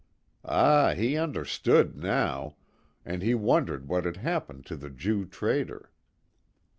Ah, he understood now, and he wondered what had happened to the Jew trader.